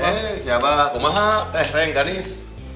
eh siapa kau maha teh reng kanis